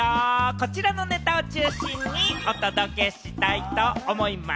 こちらのネタを中心にお届けしたいと思います。